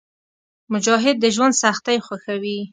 مجاهد د ژوند سختۍ خوښوي.